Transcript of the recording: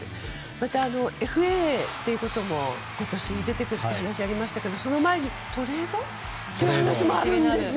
また、ＦＡということも今年出てくるっていう話がありましたがトレードという話もあるんですね。